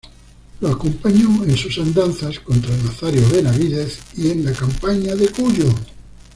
Lo acompañó en sus andanzas contra Nazario Benavídez y en la campaña de Cuyo.